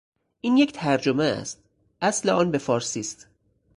این یک ترجمه است; اصل آن به فارسی است.